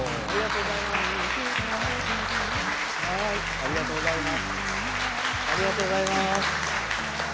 ありがとうございます。